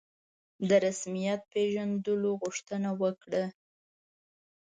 د رسمیت پېژندلو غوښتنه وکړه.